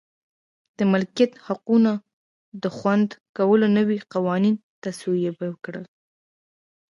د مالکیت حقونو د خوندي کولو نوي قوانین تصویب کړل.